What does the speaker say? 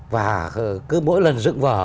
và cứ mỗi lần dựng vở